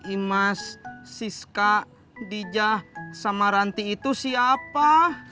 imas siska dijah sama ranti itu siapa